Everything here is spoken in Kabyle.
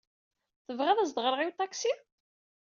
Tebɣid ad as-d-ɣreɣ i uṭaksi?